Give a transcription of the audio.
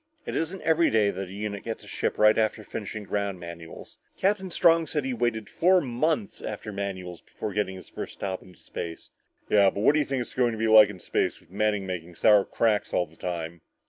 "It isn't every day that a unit gets a ship right after finishing ground manuals. Captain Strong said he waited for four months after manuals before getting his first hop into space." "Yeah but what do you think it's going to be like out in space with Manning making sour cracks all the time?"